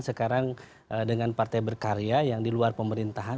sekarang dengan partai berkarya yang di luar pemerintahan